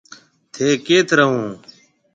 ٿَي ڪيٿ رهون هون؟